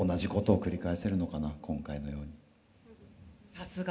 さすが。